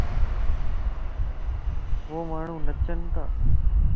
ووماڻھو نچن تا